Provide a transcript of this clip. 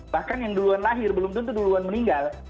bahkan yang duluan lahir belum tentu duluan meninggal